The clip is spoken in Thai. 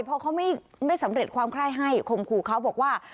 พอเขาไม่สำเร็จความคล่ายให้คมครูเขาบอกว่า